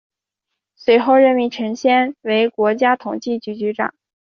随后任命陈先为国家统计局局长。